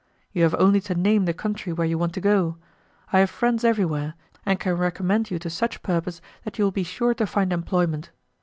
You have only to name the country where you want to go; I have friends everywhere, and can recommend you to such purpose that you will be sure to find employment.